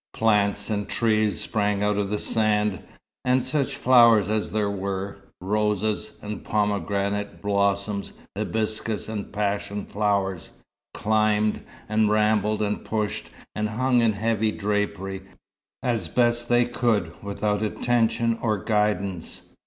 Plants and trees sprang out of the sand, and such flowers as there were roses, and pomegranate blossoms, hibiscus, and passion flowers climbed, and rambled, and pushed, and hung in heavy drapery, as best they could without attention or guidance.